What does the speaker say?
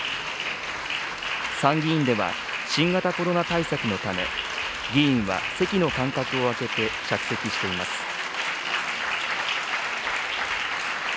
参議院では、新型コロナ対策のため、議員は席の間隔を空けて着席しています。